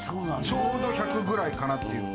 ちょうど１００ぐらいかなっていう。